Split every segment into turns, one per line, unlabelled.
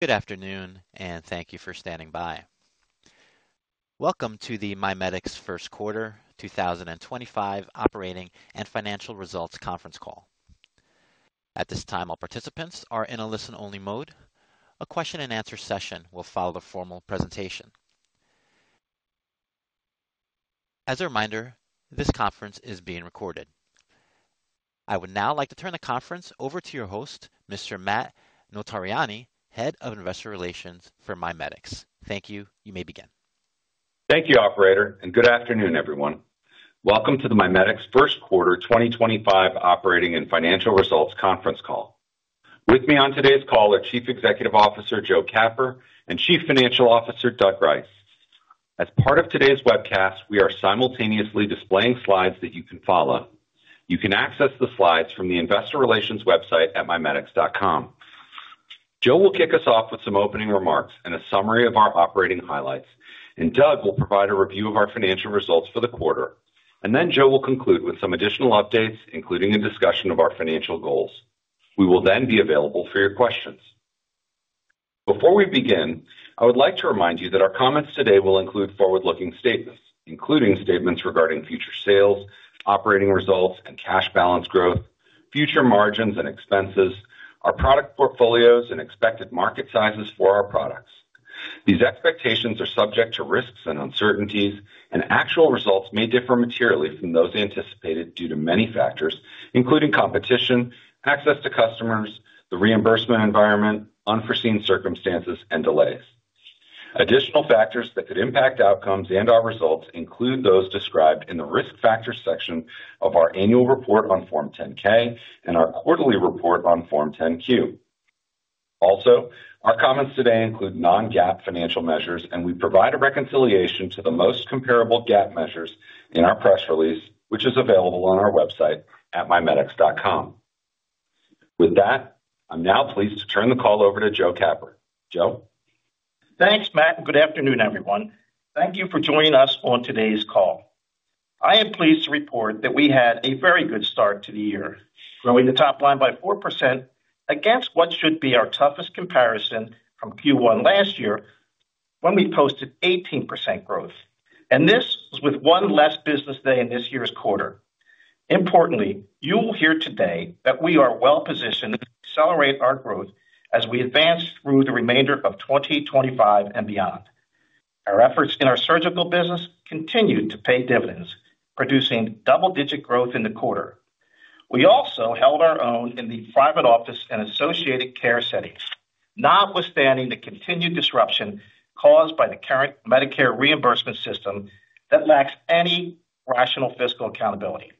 Good afternoon, and thank you for standing by. Welcome to the MiMedx First Quarter 2025 Operating and Financial Results Conference Call. At this time, all participants are in a listen-only mode. A question-and-answer session will follow the formal presentation. As a reminder, this conference is being recorded. I would now like to turn the conference over to your host, Mr. Matt Notarianni, Head of Investor Relations for MiMedx. Thank you. You may begin.
Thank you, Operator, and good afternoon, everyone. Welcome to the MiMedx First Quarter 2025 Operating and Financial Results Conference Call. With me on today's call are Chief Executive Officer Joe Capper and Chief Financial Officer Doug Rice. As part of today's webcast, we are simultaneously displaying slides that you can follow. You can access the slides from the investor relations website at mimedx.com. Joe will kick us off with some opening remarks and a summary of our operating highlights, and Doug will provide a review of our financial results for the quarter. Joe will conclude with some additional updates, including a discussion of our financial goals. We will then be available for your questions. Before we begin, I would like to remind you that our comments today will include forward-looking statements, including statements regarding future sales, operating results and cash balance growth, future margins and expenses, our product portfolios, and expected market sizes for our products. These expectations are subject to risks and uncertainties, and actual results may differ materially from those anticipated due to many factors, including competition, access to customers, the reimbursement environment, unforeseen circumstances, and delays. Additional factors that could impact outcomes and our results include those described in the risk factor section of our annual report on Form 10-K and our quarterly report on Form 10-Q. Also, our comments today include non-GAAP financial measures, and we provide a reconciliation to the most comparable GAAP measures in our press release, which is available on our website at mimedx.com. With that, I'm now pleased to turn the call over to Joe Capper. Joe.
Thanks, Matt. Good afternoon, everyone. Thank you for joining us on today's call. I am pleased to report that we had a very good start to the year, growing the top line by 4% against what should be our toughest comparison from Q1 last year when we posted 18% growth. This was with one less business day in this year's quarter. Importantly, you will hear today that we are well positioned to accelerate our growth as we advance through the remainder of 2025 and beyond. Our efforts in our surgical business continued to pay dividends, producing double-digit growth in the quarter. We also held our own in the private office and associated care settings, notwithstanding the continued disruption caused by the current Medicare reimbursement system that lacks any rational fiscal accountability.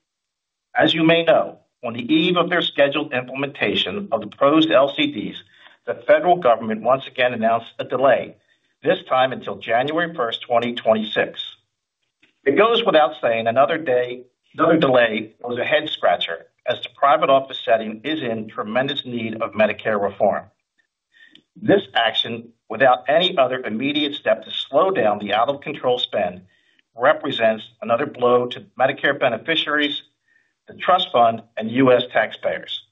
As you may know, on the eve of their scheduled implementation of the proposed LCDs, the federal government once again announced a delay, this time until January 1st, 2026. It goes without saying another day another delay was a head-scratcher as the private office setting is in tremendous need of Medicare reform. This action, without any other immediate step to slow down the out-of-control spend, represents another blow to Medicare beneficiaries, the trust fund, and U.S. taxpayers.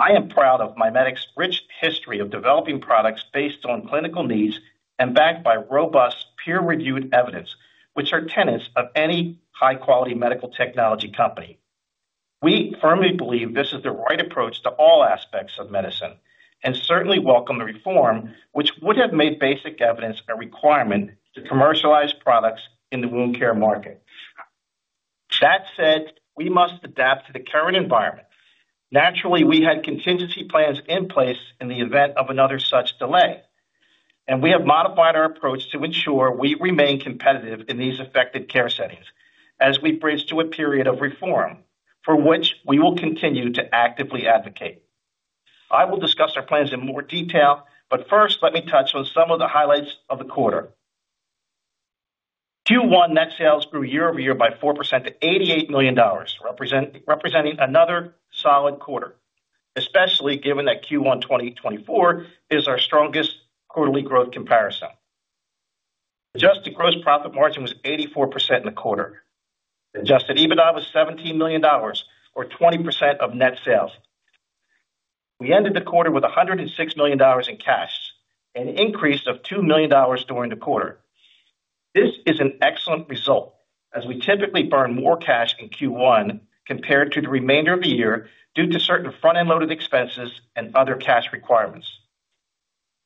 I am proud of MiMedx's rich history of developing products based on clinical needs and backed by robust peer-reviewed evidence, which are tenets of any high-quality medical technology company. We firmly believe this is the right approach to all aspects of medicine and certainly welcome the reform, which would have made basic evidence a requirement to commercialize products in the wound care market. That said, we must adapt to the current environment. Naturally, we had contingency plans in place in the event of another such delay, and we have modified our approach to ensure we remain competitive in these affected care settings as we bridge to a period of reform for which we will continue to actively advocate. I will discuss our plans in more detail, but first, let me touch on some of the highlights of the quarter. Q1 net sales grew year over year by 4% to $88 million, representing another solid quarter, especially given that Q1 2024 is our strongest quarterly growth comparison. Adjusted gross profit margin was 84% in the quarter. Adjusted EBITDA was $17 million, or 20% of net sales. We ended the quarter with $106 million in cash, an increase of $2 million during the quarter. This is an excellent result as we typically burn more cash in Q1 compared to the remainder of the year due to certain front-end loaded expenses and other cash requirements.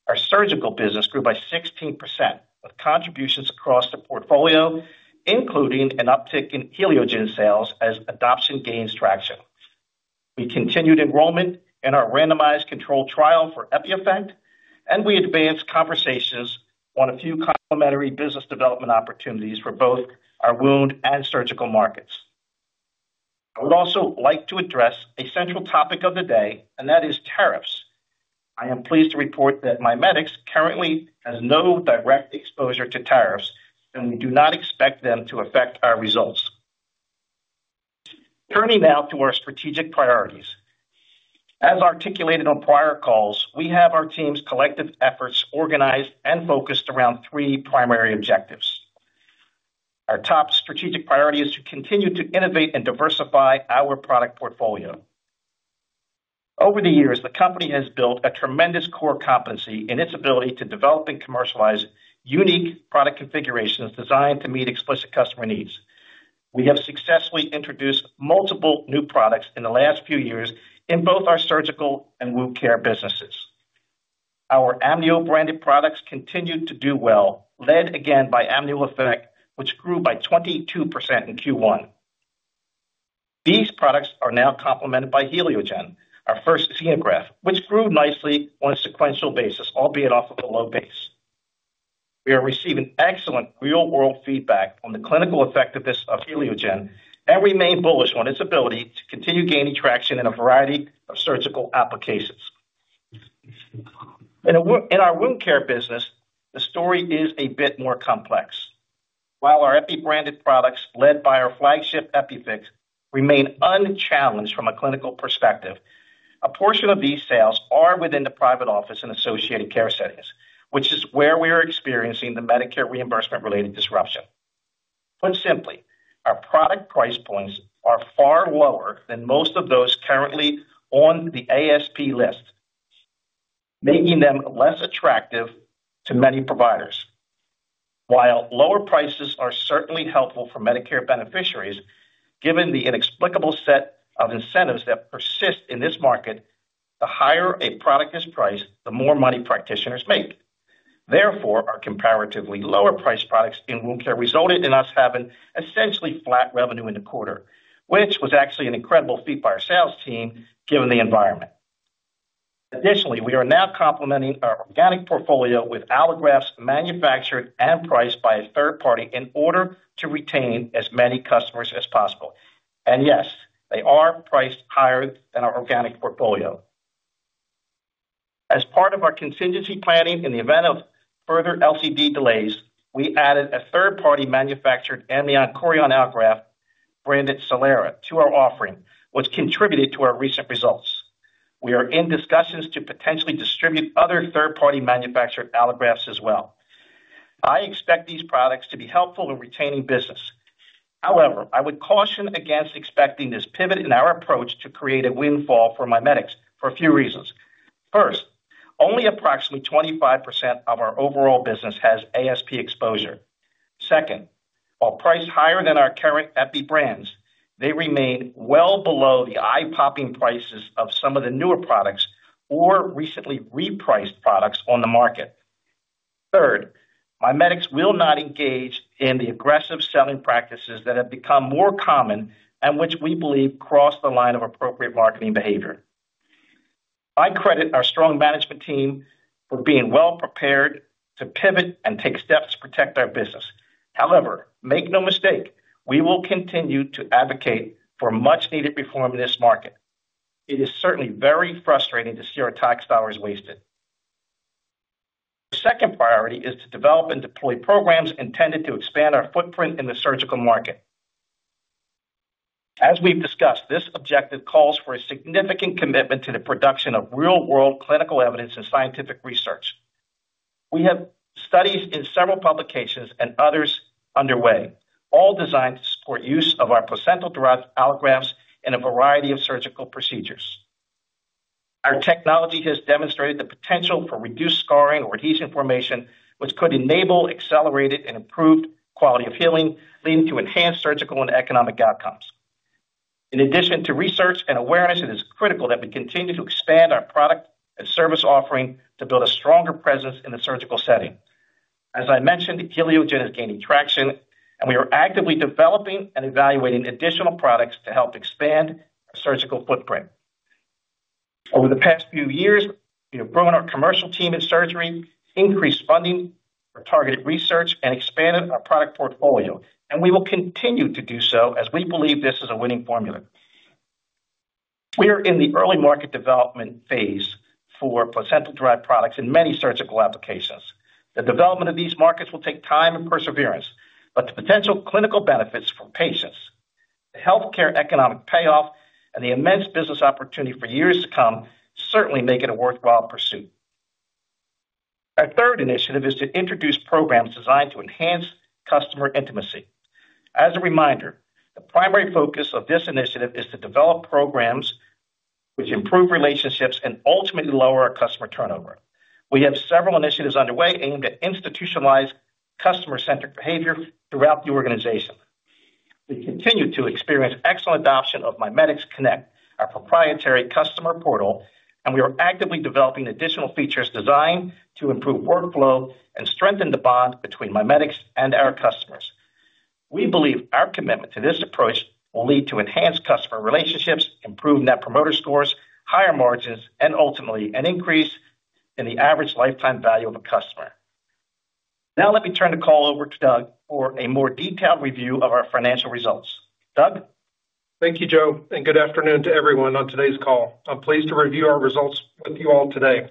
Our surgical business grew by 16% with contributions across the portfolio, including an uptick in HELIOGEN sales as adoption gains traction. We continued enrollment in our randomized controlled trial for EPIEFFECT, and we advanced conversations on a few complementary business development opportunities for both our wound and surgical markets. I would also like to address a central topic of the day, and that is tariffs. I am pleased to report that MiMedx currently has no direct exposure to tariffs, and we do not expect them to affect our results. Turning now to our strategic priorities. As articulated on prior calls, we have our team's collective efforts organized and focused around three primary objectives. Our top strategic priority is to continue to innovate and diversify our product portfolio. Over the years, the company has built a tremendous core competency in its ability to develop and commercialize unique product configurations designed to meet explicit customer needs. We have successfully introduced multiple new products in the last few years in both our surgical and wound care businesses. Our Amnio branded products continue to do well, led again by AMNIOEFFECT, which grew by 22% in Q1. These products are now complemented by HELIOGEN, our first xenograft, which grew nicely on a sequential basis, albeit off of a low base. We are receiving excellent real-world feedback on the clinical effectiveness of HELIOGEN and remain bullish on its ability to continue gaining traction in a variety of surgical applications. In our wound care business, the story is a bit more complex. While our EpiBranded products, led by our flagship EPIFIX, remain unchallenged from a clinical perspective, a portion of these sales are within the private office and associated care settings, which is where we are experiencing the Medicare reimbursement-related disruption. Put simply, our product price points are far lower than most of those currently on the ASP list, making them less attractive to many providers. While lower prices are certainly helpful for Medicare beneficiaries, given the inexplicable set of incentives that persist in this market, the higher a product is priced, the more money practitioners make. Therefore, our comparatively lower-priced products in wound care resulted in us having essentially flat revenue in the quarter, which was actually an incredible feat by our sales team given the environment. Additionally, we are now complementing our organic portfolio with allografts manufactured and priced by a third party in order to retain as many customers as possible. Yes, they are priced higher than our organic portfolio. As part of our contingency planning in the event of further LCD delays, we added a third-party manufactured allograft branded CE LERA to our offering, which contributed to our recent results. We are in discussions to potentially distribute other third-party manufactured allografts as well. I expect these products to be helpful in retaining business. However, I would caution against expecting this pivot in our approach to create a windfall for MiMedx for a few reasons. First, only approximately 25% of our overall business has ASP exposure. Second, while priced higher than our current EpiBrands, they remain well below the eye-popping prices of some of the newer products or recently repriced products on the market. Third, MiMedx will not engage in the aggressive selling practices that have become more common and which we believe cross the line of appropriate marketing behavior. I credit our strong management team for being well prepared to pivot and take steps to protect our business. However, make no mistake, we will continue to advocate for much-needed reform in this market. It is certainly very frustrating to see our tax dollars wasted. Our second priority is to develop and deploy programs intended to expand our footprint in the surgical market. As we've discussed, this objective calls for a significant commitment to the production of real-world clinical evidence and scientific research. We have studies in several publications and others underway, all designed to support use of our placental drug allografts in a variety of surgical procedures. Our technology has demonstrated the potential for reduced scarring or adhesion formation, which could enable accelerated and improved quality of healing, leading to enhanced surgical and economic outcomes. In addition to research and awareness, it is critical that we continue to expand our product and service offering to build a stronger presence in the surgical setting. As I mentioned, HELIOGEN is gaining traction, and we are actively developing and evaluating additional products to help expand our surgical footprint. Over the past few years, we have grown our commercial team in surgery, increased funding for targeted research, and expanded our product portfolio, and we will continue to do so as we believe this is a winning formula. We are in the early market development phase for placental drug products in many surgical applications. The development of these markets will take time and perseverance, but the potential clinical benefits for patients, the healthcare economic payoff, and the immense business opportunity for years to come certainly make it a worthwhile pursuit. Our third initiative is to introduce programs designed to enhance customer intimacy. As a reminder, the primary focus of this initiative is to develop programs which improve relationships and ultimately lower our customer turnover. We have several initiatives underway aimed at institutionalizing customer-centered behavior throughout the organization. We continue to experience excellent adoption of MiMedx Connect, our proprietary customer portal, and we are actively developing additional features designed to improve workflow and strengthen the bond between MiMedx and our customers. We believe our commitment to this approach will lead to enhanced customer relationships, improved net promoter scores, higher margins, and ultimately an increase in the average lifetime value of a customer. Now, let me turn the call over to Doug for a more detailed review of our financial results. Doug.
Thank you, Joe, and good afternoon to everyone on today's call. I'm pleased to review our results with you all today.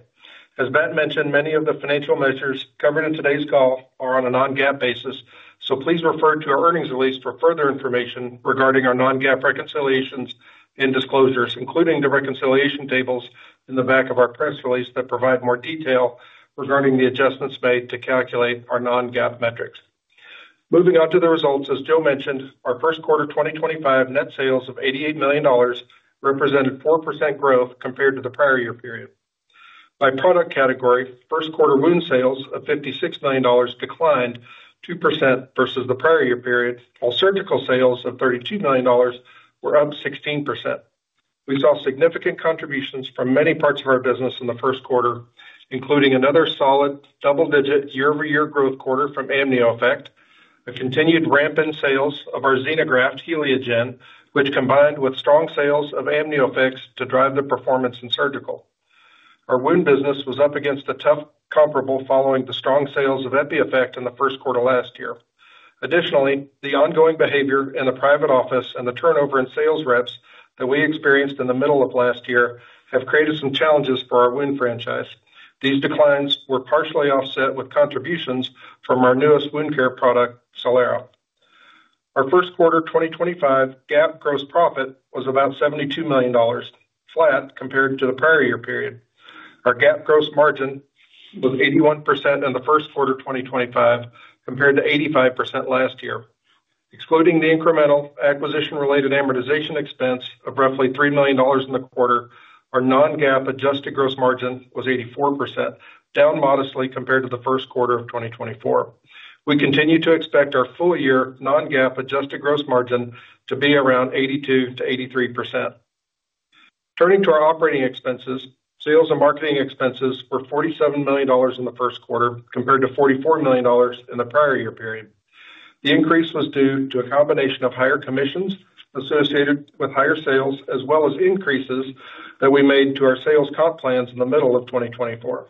As Matt mentioned, many of the financial measures covered in today's call are on a non-GAAP basis, so please refer to our earnings release for further information regarding our non-GAAP reconciliations and disclosures, including the reconciliation tables in the back of our press release that provide more detail regarding the adjustments made to calculate our non-GAAP metrics. Moving on to the results, as Joe mentioned, our first quarter 2025 net sales of $88 million represented 4% growth compared to the prior year period. By product category, first quarter wound sales of $56 million declined 2% versus the prior year period, while surgical sales of $32 million were up 16%. We saw significant contributions from many parts of our business in the first quarter, including another solid double-digit year-over-year growth quarter from AMNIOEFFECT, a continued ramp in sales of our xenograft HELIOGEN, which combined with strong sales of AMNIOEFFECT to drive the performance in surgical. Our wound business was up against a tough comparable following the strong sales of EPIEFFECT in the first quarter last year. Additionally, the ongoing behavior in the private office and the turnover in sales reps that we experienced in the middle of last year have created some challenges for our wound franchise. These declines were partially offset with contributions from our newest wound care product, CELERA. Our first quarter 2025 GAAP gross profit was about $72 million, flat compared to the prior year period. Our GAAP gross margin was 81% in the first quarter 2025 compared to 85% last year. Excluding the incremental acquisition-related amortization expense of roughly $3 million in the quarter, our non-GAAP adjusted gross margin was 84%, down modestly compared to the first quarter of 2024. We continue to expect our full-year non-GAAP adjusted gross margin to be around 82%-83%. Turning to our operating expenses, sales and marketing expenses were $47 million in the first quarter compared to $44 million in the prior year period. The increase was due to a combination of higher commissions associated with higher sales, as well as increases that we made to our sales comp plans in the middle of 2024.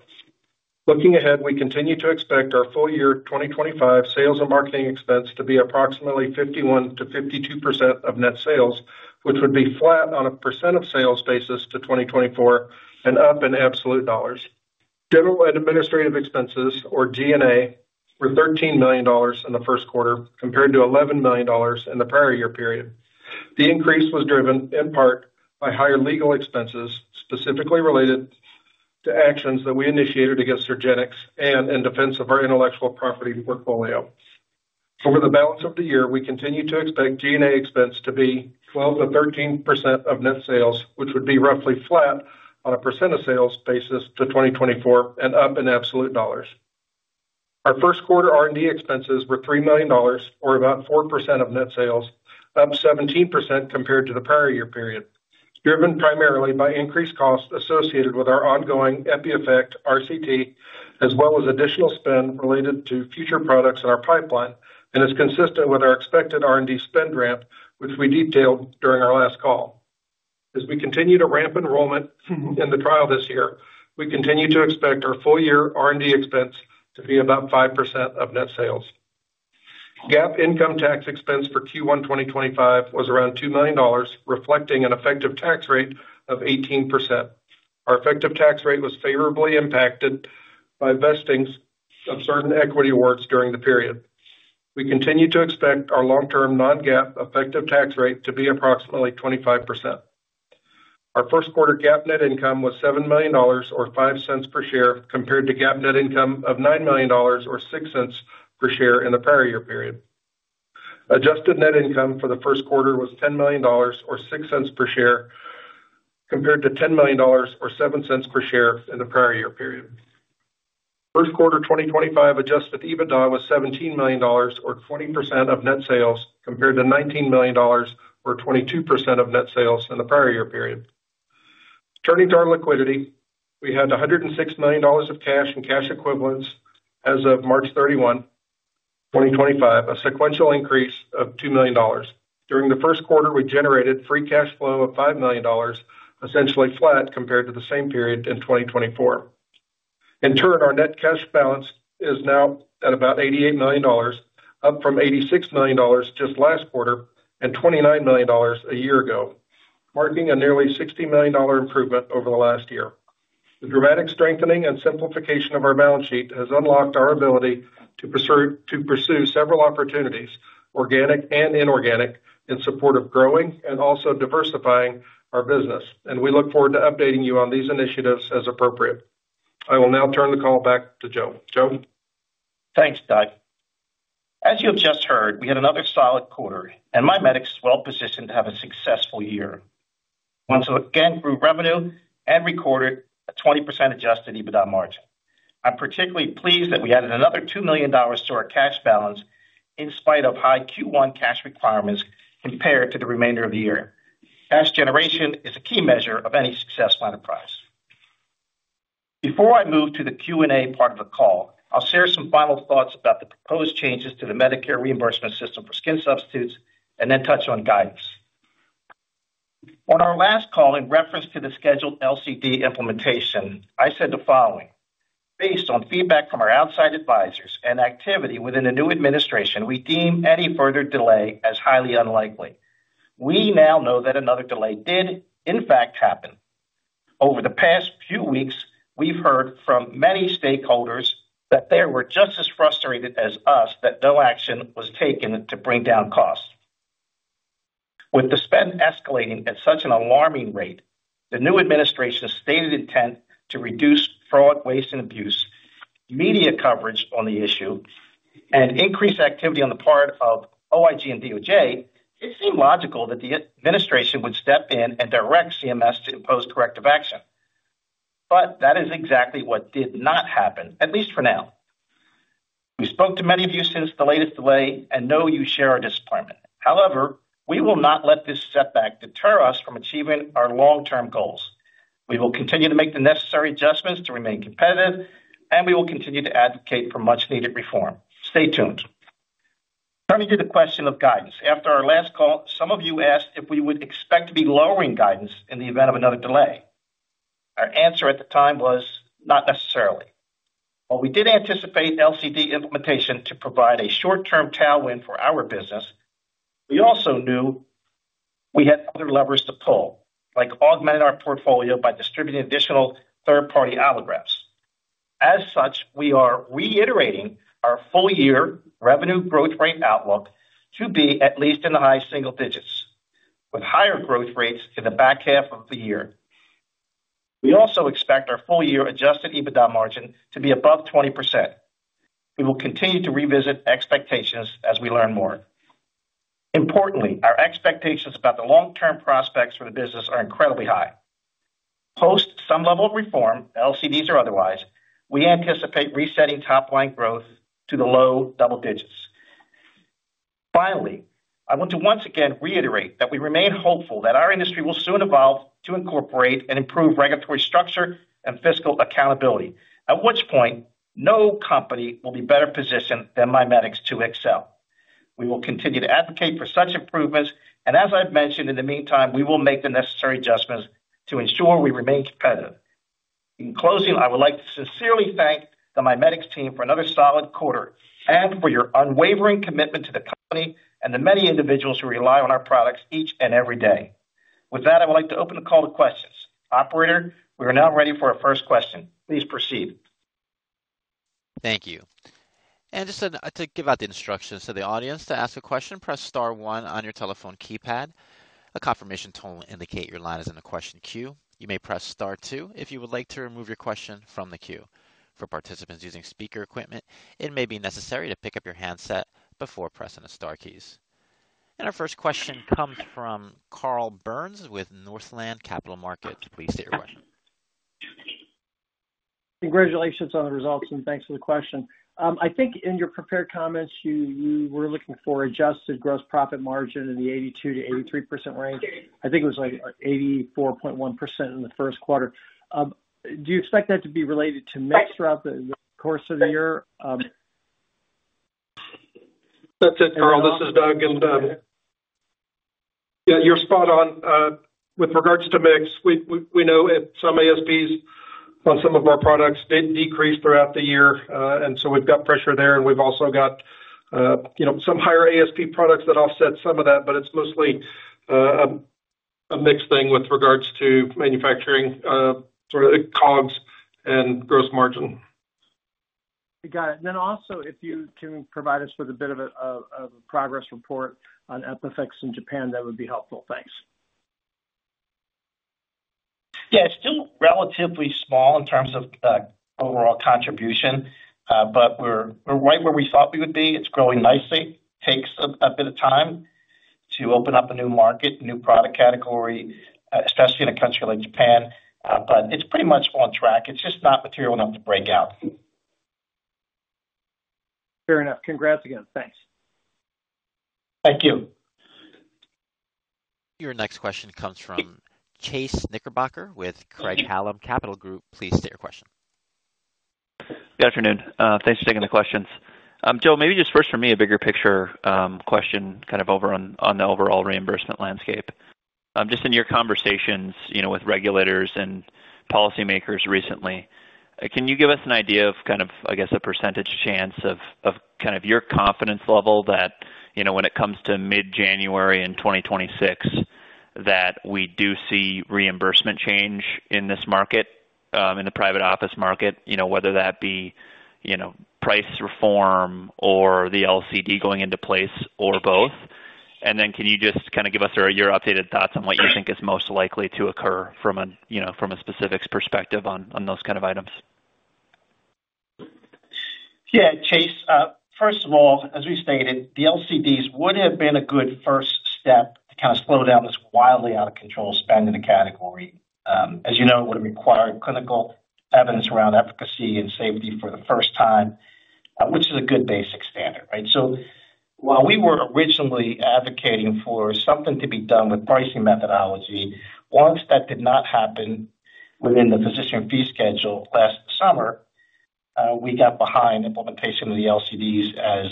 Looking ahead, we continue to expect our full-year 2025 sales and marketing expense to be approximately 51%-52% of net sales, which would be flat on a percent of sales basis to 2024 and up in absolute dollars. General and administrative expenses, or G&A, were $13 million in the first quarter compared to $11 million in the prior year period. The increase was driven in part by higher legal expenses specifically related to actions that we initiated against Surgenex and in defense of our intellectual property portfolio. Over the balance of the year, we continue to expect G&A expense to be 12%-13% of net sales, which would be roughly flat on a percent of sales basis to 2024 and up in absolute dollars. Our first quarter R&D expenses were $3 million, or about 4% of net sales, up 17% compared to the prior year period, driven primarily by increased costs associated with our ongoing EPIEFFECT RCT, as well as additional spend related to future products in our pipeline, and is consistent with our expected R&D spend ramp, which we detailed during our last call. As we continue to ramp enrollment in the trial this year, we continue to expect our full-year R&D expense to be about 5% of net sales. GAAP income tax expense for Q1 2025 was around $2 million, reflecting an effective tax rate of 18%. Our effective tax rate was favorably impacted by vestings of certain equity awards during the period. We continue to expect our long-term non-GAAP effective tax rate to be approximately 25%. Our first quarter GAAP net income was $7 million, or $0.05 per share, compared to GAAP net income of $9 million, or $0.06 per share in the prior year period. Adjusted net income for the first quarter was $10 million, or $0.06 per share, compared to $10 million, or $0.07 per share in the prior year period. First quarter 2025 adjusted EBITDA was $17 million, or 20% of net sales, compared to $19 million, or 22% of net sales in the prior year period. Turning to our liquidity, we had $106 million of cash and cash equivalents as of March 31, 2025, a sequential increase of $2 million. During the first quarter, we generated free cash flow of $5 million, essentially flat compared to the same period in 2024. In turn, our net cash balance is now at about $88 million, up from $86 million just last quarter and $29 million a year ago, marking a nearly $60 million improvement over the last year. The dramatic strengthening and simplification of our balance sheet has unlocked our ability to pursue several opportunities, organic and inorganic, in support of growing and also diversifying our business, and we look forward to updating you on these initiatives as appropriate. I will now turn the call back to Joe. Joe.
Thanks, Doug. As you have just heard, we had another solid quarter, and MiMedx is well positioned to have a successful year. Once again, we grew revenue and recorded a 20% adjusted EBITDA margin. I'm particularly pleased that we added another $2 million to our cash balance in spite of high Q1 cash requirements compared to the remainder of the year. Cash generation is a key measure of any successful enterprise. Before I move to the Q&A part of the call, I'll share some final thoughts about the proposed changes to the Medicare reimbursement system for skin substitutes and then touch on guidance. On our last call in reference to the scheduled LCD implementation, I said the following: Based on feedback from our outside advisors and activity within the new administration, we deem any further delay as highly unlikely. We now know that another delay did, in fact, happen. Over the past few weeks, we've heard from many stakeholders that they were just as frustrated as us that no action was taken to bring down costs. With the spend escalating at such an alarming rate, the new administration's stated intent to reduce fraud, waste, and abuse, media coverage on the issue, and increased activity on the part of OIG and DOJ, it seemed logical that the administration would step in and direct CMS to impose corrective action. That is exactly what did not happen, at least for now. We spoke to many of you since the latest delay and know you share our disappointment. However, we will not let this setback deter us from achieving our long-term goals. We will continue to make the necessary adjustments to remain competitive, and we will continue to advocate for much-needed reform. Stay tuned. Turning to the question of guidance, after our last call, some of you asked if we would expect to be lowering guidance in the event of another delay. Our answer at the time was, not necessarily. While we did anticipate LCD implementation to provide a short-term tailwind for our business, we also knew we had other levers to pull, like augmenting our portfolio by distributing additional third-party allografts. As such, we are reiterating our full-year revenue growth rate outlook to be at least in the high single digits, with higher growth rates in the back half of the year. We also expect our full-year adjusted EBITDA margin to be above 20%. We will continue to revisit expectations as we learn more. Importantly, our expectations about the long-term prospects for the business are incredibly high. Post some level of reform, LCDs or otherwise, we anticipate resetting top-line growth to the low double digits. Finally, I want to once again reiterate that we remain hopeful that our industry will soon evolve to incorporate and improve regulatory structure and fiscal accountability, at which point no company will be better positioned than MiMedx to excel. We will continue to advocate for such improvements, and as I've mentioned, in the meantime, we will make the necessary adjustments to ensure we remain competitive. In closing, I would like to sincerely thank the MiMedx team for another solid quarter and for your unwavering commitment to the company and the many individuals who rely on our products each and every day. With that, I would like to open the call to questions. Operator, we are now ready for our first question. Please proceed.
Thank you. Just to give out the instructions to the audience to ask a question, press Star one on your telephone keypad. A confirmation tone will indicate your line is in the question queue. You may press Star two if you would like to remove your question from the queue. For participants using speaker equipment, it may be necessary to pick up your handset before pressing the Star keys. Our first question comes from Carl Byrnes with Northland Capital Markets. Please state your question.
Congratulations on the results and thanks for the question. I think in your prepared comments, you were looking for adjusted gross profit margin in the 82%-83% range. I think it was like 84.1% in the first quarter. Do you expect that to be related to MIX throughout the course of the year? That's it,
Carl. This is Doug. Yeah, you're spot on. With regards to mix, we know some ASPs on some of our products did decrease throughout the year, and we've got pressure there. We've also got some higher ASP products that offset some of that, but it's mostly a mix thing with regards to manufacturing, sort of COGS and gross margin.
I got it. If you can provide us with a bit of a progress report on EPIFIX in Japan, that would be helpful. Thanks.
Yeah, it's still relatively small in terms of overall contribution, but we're right where we thought we would be. It's growing nicely. It takes a bit of time to open up a new market, new product category, especially in a country like Japan, but it's pretty much on track. It's just not material enough to break out.
Fair enough. Congrats again. Thanks.
Thank you.
Your next question comes from Chase Knickerbocker with Craig-Hallum Capital Group. Please state your question.
Good afternoon. Thanks for taking the questions. Joe, maybe just first from me, a bigger picture question kind of over on the overall reimbursement landscape. Just in your conversations with regulators and policymakers recently, can you give us an idea of kind of, I guess, a percentage chance of kind of your confidence level that when it comes to mid-January in 2026, that we do see reimbursement change in this market, in the private office market, whether that be price reform or the LCD going into place or both? Can you just kind of give us your updated thoughts on what you think is most likely to occur from a specifics perspective on those kind of items?
Yeah, Chase, first of all, as we stated, the LCDs would have been a good first step to kind of slow down this wildly out-of-control spend in the category. As you know, it would have required clinical evidence around efficacy and safety for the first time, which is a good basic standard, right? While we were originally advocating for something to be done with pricing methodology, once that did not happen within the physician fee schedule last summer, we got behind implementation of the LCDs as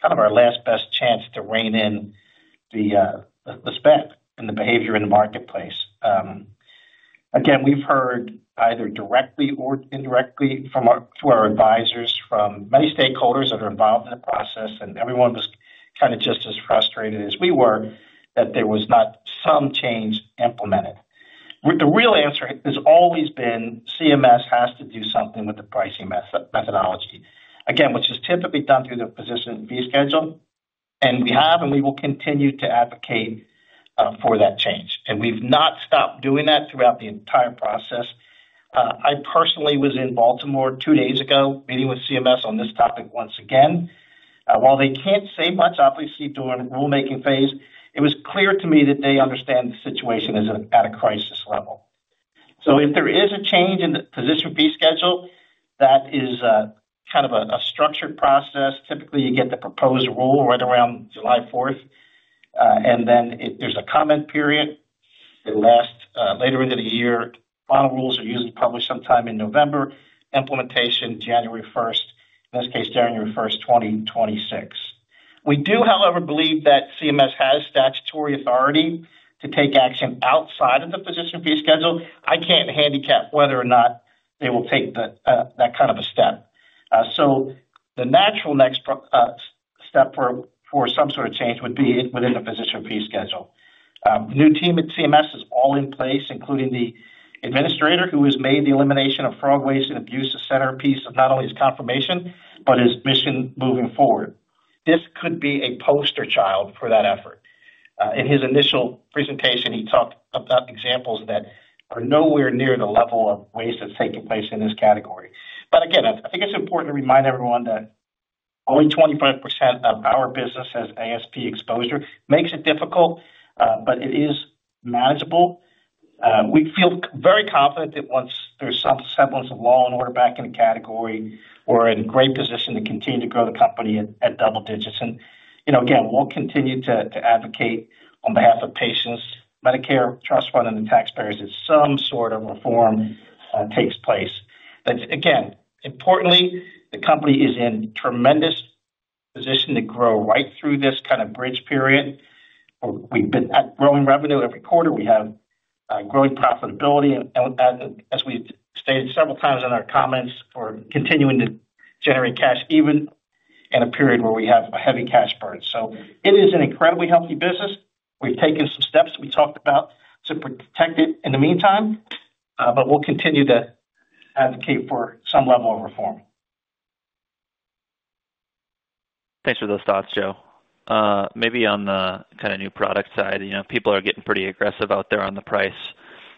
kind of our last best chance to rein in the spend and the behavior in the marketplace. Again, we've heard either directly or indirectly through our advisors, from many stakeholders that are involved in the process, and everyone was kind of just as frustrated as we were that there was not some change implemented. The real answer has always been CMS has to do something with the pricing methodology, again, which is typically done through the physician fee schedule, and we have and we will continue to advocate for that change. We've not stopped doing that throughout the entire process. I personally was in Baltimore two days ago meeting with CMS on this topic once again. While they can't say much, obviously during the rulemaking phase, it was clear to me that they understand the situation is at a crisis level. If there is a change in the physician fee schedule, that is kind of a structured process. Typically, you get the proposed rule right around July 4th, and then there's a comment period. It lasts later into the year. Final rules are usually published sometime in November. Implementation, January 1st, in this case, January 1st, 2026. We do, however, believe that CMS has statutory authority to take action outside of the physician fee schedule. I can't handicap whether or not they will take that kind of a step. The natural next step for some sort of change would be within the physician fee schedule. The new team at CMS is all in place, including the administrator who has made the elimination of fraud, waste, and abuse a centerpiece of not only his confirmation, but his mission moving forward. This could be a poster child for that effort. In his initial presentation, he talked about examples that are nowhere near the level of waste that's taking place in this category. I think it's important to remind everyone that only 25% of our business has ASP exposure. It makes it difficult, but it is manageable. We feel very confident that once there's some semblance of law and order back in the category, we're in a great position to continue to grow the company at double digits. Again, we'll continue to advocate on behalf of patients, Medicare, trust fund, and the taxpayers that some sort of reform takes place. Importantly, the company is in a tremendous position to grow right through this kind of bridge period. We've been at growing revenue every quarter. We have growing profitability, and as we've stated several times in our comments for continuing to generate cash even in a period where we have a heavy cash burden. It is an incredibly healthy business. We've taken some steps we talked about to protect it in the meantime, but we'll continue to advocate for some level of reform.
Thanks for those thoughts, Joe. Maybe on the kind of new product side, people are getting pretty aggressive out there on the price,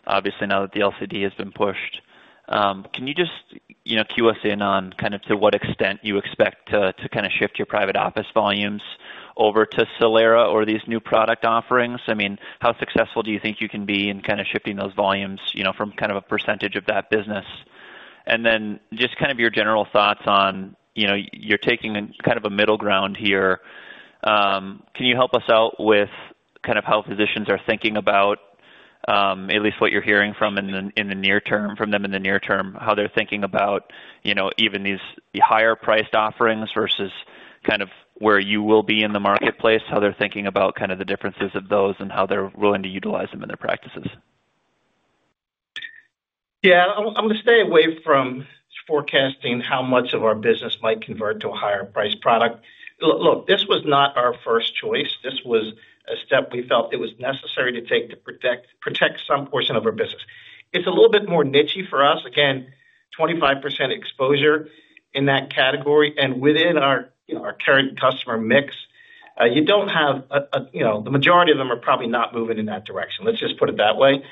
obviously, now that the LCD has been pushed. Can you just cue us in on kind of to what extent you expect to kind of shift your private office volumes over to CELERA or these new product offerings? I mean, how successful do you think you can be in kind of shifting those volumes from kind of a percentage of that business? And then just kind of your general thoughts on you're taking kind of a middle ground here. Can you help us out with kind of how physicians are thinking about, at least what you're hearing from them in the near term, how they're thinking about even these higher-priced offerings versus kind of where you will be in the marketplace, how they're thinking about kind of the differences of those and how they're willing to utilize them in their practices?
Yeah, I'm going to stay away from forecasting how much of our business might convert to a higher-priced product. Look, this was not our first choice. This was a step we felt it was necessary to take to protect some portion of our business. It's a little bit more niche-y for us. Again, 25% exposure in that category. Within our current customer mix, you don't have the majority of them are probably not moving in that direction. Let's just put it that way.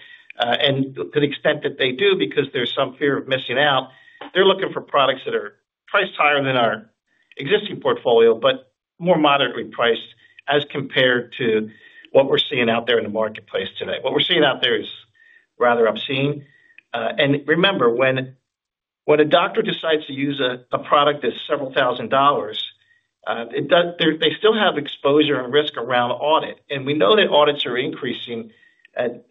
To the extent that they do, because there's some fear of missing out, they're looking for products that are priced higher than our existing portfolio, but more moderately priced as compared to what we're seeing out there in the marketplace today. What we're seeing out there is rather obscene. Remember, when a doctor decides to use a product that's several thousand dollars, they still have exposure and risk around audit. We know that audits are increasing at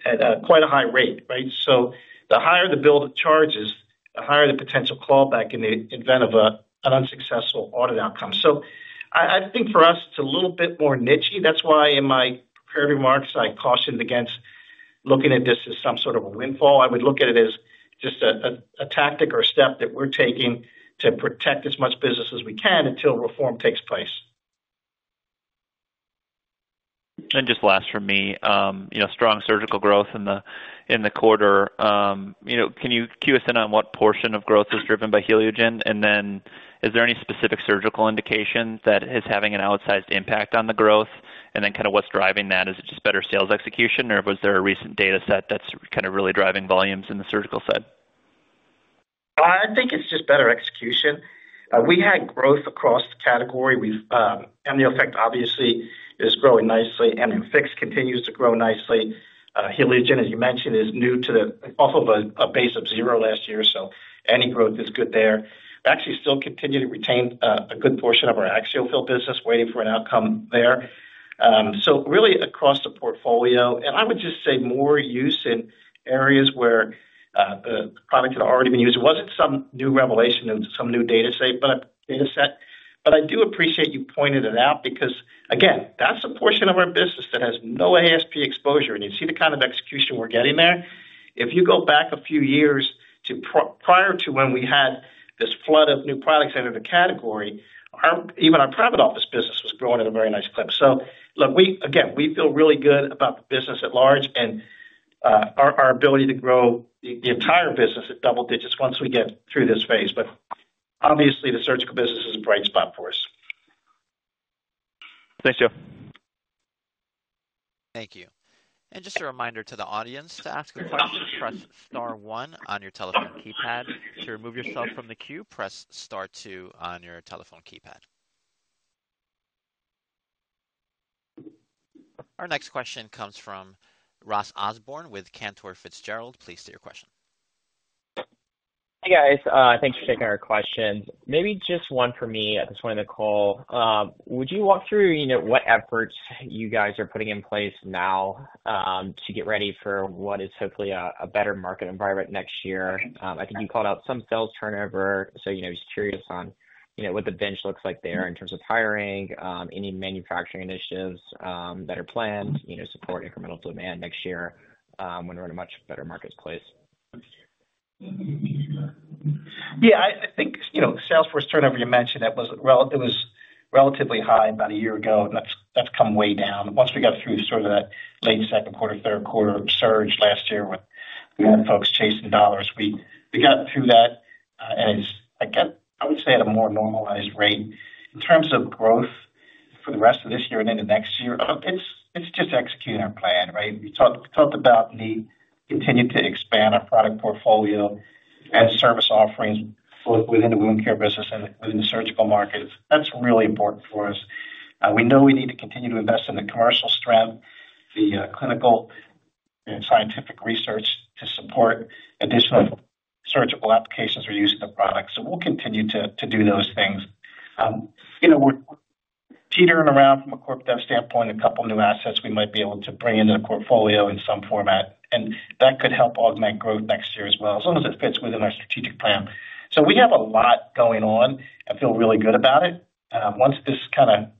quite a high rate, right? The higher the bill of charges, the higher the potential clawback in the event of an unsuccessful audit outcome. I think for us, it's a little bit more niche-y. That's why in my prepared remarks, I cautioned against looking at this as some sort of a windfall. I would look at it as just a tactic or a step that we're taking to protect as much business as we can until reform takes place.
Just last from me, strong surgical growth in the quarter. Can you cue us in on what portion of growth is driven by HELIOGEN? Is there any specific surgical indication that is having an outsized impact on the growth? What is driving that? Is it just better sales execution, or was there a recent data set that is really driving volumes in the surgical side?
I think it's just better execution. We had growth across the category. AMNIOEFFECT, obviously, is growing nicely. AMNIOFIX continues to grow nicely. HELIOGEN, as you mentioned, is new to the off of a base of zero last year, so any growth is good there. Actually still continue to retain a good portion of our Axial Fill business, waiting for an outcome there. Really across the portfolio, and I would just say more use in areas where the product had already been used. It wasn't some new revelation or some new data set, but I do appreciate you pointed it out because, again, that's a portion of our business that has no ASP exposure. You see the kind of execution we're getting there? If you go back a few years to prior to when we had this flood of new products into the category, even our private office business was growing at a very nice clip. Look, again, we feel really good about the business at large and our ability to grow the entire business at double digits once we get through this phase. Obviously, the surgical business is a bright spot for us.
Thanks, Joe.
Thank you. Just a reminder to the audience to ask a question, press Star one on your telephone keypad. To remove yourself from the queue, press Star two on your telephone keypad. Our next question comes from Ross Osborn with Cantor Fitzgerald. Please state your question.
Hey, guys. Thanks for taking our questions. Maybe just one for me at this point in the call. Would you walk through what efforts you guys are putting in place now to get ready for what is hopefully a better market environment next year? I think you called out some sales turnover, so I was curious on what the bench looks like there in terms of hiring, any manufacturing initiatives that are planned to support incremental demand next year when we're in a much better marketplace.
Yeah, I think sales force turnover, you mentioned that was relatively high about a year ago, and that's come way down. Once we got through sort of that late second quarter, third quarter surge last year with folks chasing dollars, we got through that. I would say at a more normalized rate. In terms of growth for the rest of this year and into next year, it's just executing our plan, right? We talked about need to continue to expand our product portfolio and service offerings both within the wound care business and within the surgical market. That's really important for us. We know we need to continue to invest in the commercial strength, the clinical and scientific research to support additional surgical applications we're using the product. We will continue to do those things. We're teetering around from a corp dev standpoint, a couple of new assets we might be able to bring into the portfolio in some format, and that could help augment growth next year as well, as long as it fits within our strategic plan. We have a lot going on. I feel really good about it. Once this kind of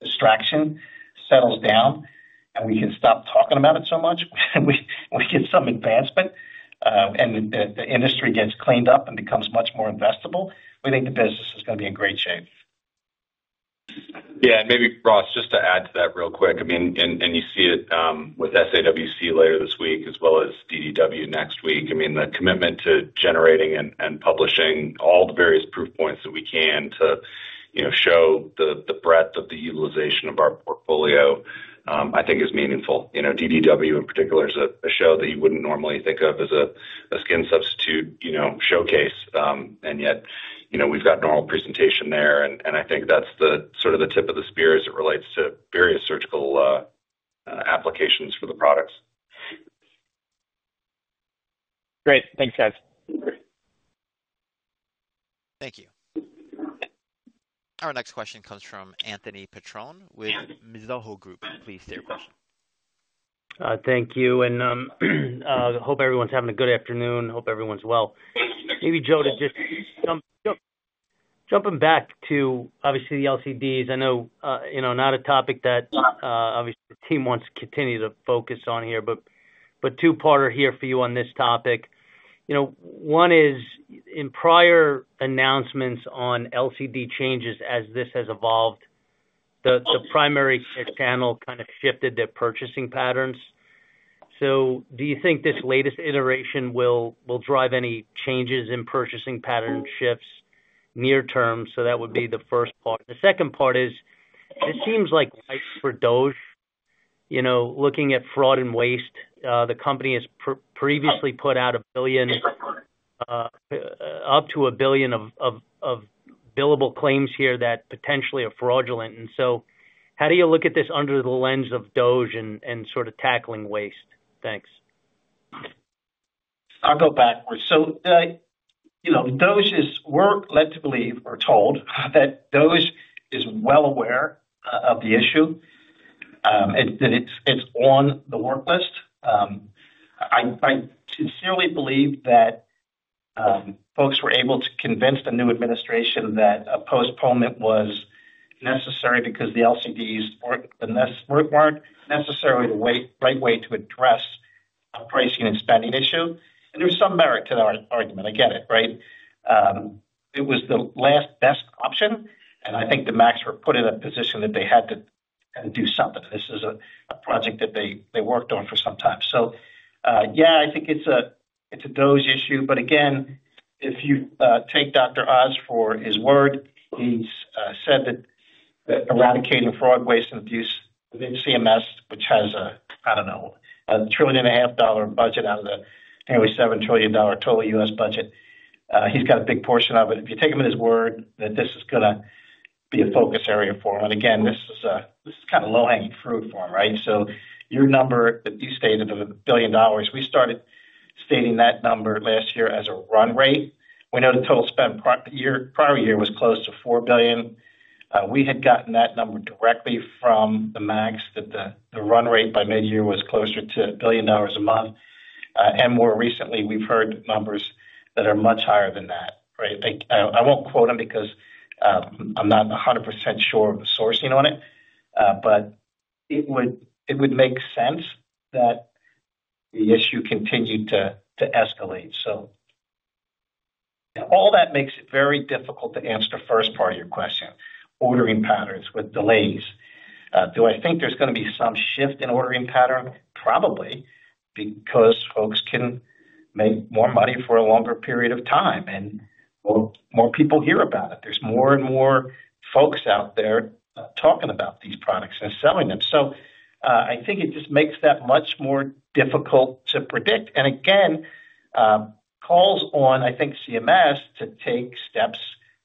distraction settles down and we can stop talking about it so much, we get some advancement and the industry gets cleaned up and becomes much more investable, we think the business is going to be in great shape.
Yeah. Maybe, Ross, just to add to that real quick, I mean, you see it with SAWC later this week as well as DDW next week. I mean, the commitment to generating and publishing all the various proof points that we can to show the breadth of the utilization of our portfolio, I think, is meaningful. DDW, in particular, is a show that you would not normally think of as a skin substitute showcase, and yet we have got normal presentation there. I think that is sort of the tip of the spear as it relates to various surgical applications for the products.
Great. Thanks, guys.
Thank you. Our next question comes from Anthony Petrone with Mizuho Group. Please state your question.
Thank you. I hope everyone's having a good afternoon. Hope everyone's well. Maybe, Joe, just jumping back to, obviously, the LCDs. I know not a topic that, obviously, the team wants to continue to focus on here, but two-parter here for you on this topic. One is, in prior announcements on LCD changes as this has evolved, the primary care channel kind of shifted their purchasing patterns. Do you think this latest iteration will drive any changes in purchasing pattern shifts near term? That would be the first part. The second part is, it seems like for DOJ, looking at fraud and waste, the company has previously put out up to a billion of billable claims here that potentially are fraudulent. How do you look at this under the lens of DOJ and sort of tackling waste? Thanks.
I'll go backwards. DOJ's work led to believe, or told, that DOJ is well aware of the issue and that it's on the work list. I sincerely believe that folks were able to convince the new administration that a postponement was necessary because the LCDs weren't necessarily the right way to address a pricing and spending issue. There's some merit to that argument. I get it, right? It was the last best option, and I think the MACs were put in a position that they had to do something. This is a project that they worked on for some time. Yeah, I think it's a DOJ issue. Again, if you take Dr. Oz for his word, he's said that eradicating fraud, waste, and abuse within CMS, which has, I don't know, a trillion and a half dollar budget out of the nearly $7 trillion total U.S. budget, he's got a big portion of it. If you take him at his word, that this is going to be a focus area for him. This is kind of low-hanging fruit for him, right? Your number that you stated of a billion dollars, we started stating that number last year as a run rate. We know the total spent prior year was close to $4 billion. We had gotten that number directly from the MACs that the run rate by mid-year was closer to a billion dollars a month. More recently, we've heard numbers that are much higher than that, right? I won't quote them because I'm not 100% sure of the sourcing on it, but it would make sense that the issue continued to escalate. All that makes it very difficult to answer the first part of your question: ordering patterns with delays. Do I think there's going to be some shift in ordering pattern? Probably, because folks can make more money for a longer period of time, and more people hear about it. There's more and more folks out there talking about these products and selling them. I think it just makes that much more difficult to predict. Again, calls on, I think, CMS to take steps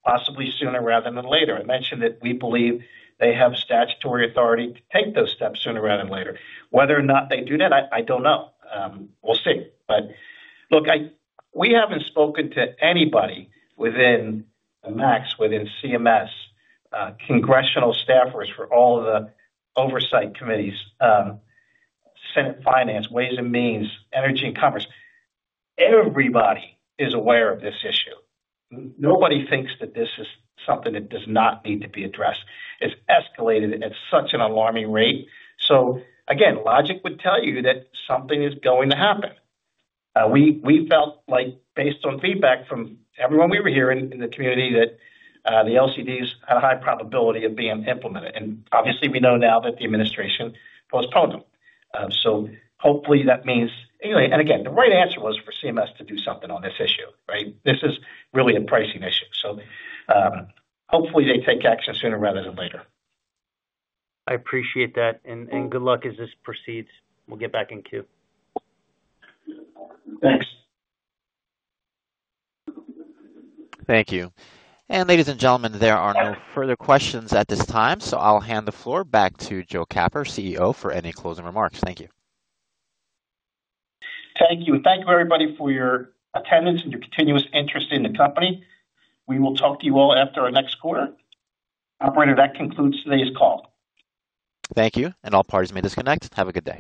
possibly sooner rather than later. I mentioned that we believe they have statutory authority to take those steps sooner rather than later. Whether or not they do that, I don't know. We'll see. Look, we haven't spoken to anybody within the MACs, within CMS, congressional staffers for all the oversight committees, Senate Finance, Ways and Means, Energy and Commerce. Everybody is aware of this issue. Nobody thinks that this is something that does not need to be addressed. It's escalated at such an alarming rate. Again, logic would tell you that something is going to happen. We felt like, based on feedback from everyone we were hearing in the community, that the LCDs had a high probability of being implemented. Obviously, we know now that the administration postponed them. Hopefully, that means anyway, and again, the right answer was for CMS to do something on this issue, right? This is really a pricing issue. Hopefully, they take action sooner rather than later.
I appreciate that. Good luck as this proceeds. We'll get back in queue.
Thank you. Ladies and gentlemen, there are no further questions at this time, so I'll hand the floor back to Joe Capper, CEO, for any closing remarks. Thank you.
Thank you. Thank you, everybody, for your attendance and your continuous interest in the company. We will talk to you all after our next quarter. Operator, that concludes today's call.
Thank you, and all parties may disconnect. Have a good day.